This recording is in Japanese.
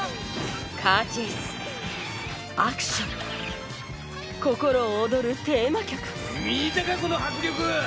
カーチェイスアクション心躍るテーマ曲見たかこの迫力！